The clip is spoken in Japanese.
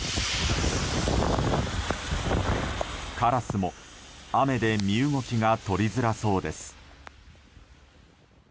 カラスも雨で身動きがとりづらそうです。